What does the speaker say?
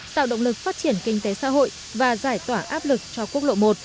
tạo động lực phát triển kinh tế xã hội và giải tỏa áp lực cho quốc lộ một